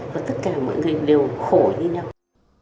và tất cả mọi người đều khổ như nhau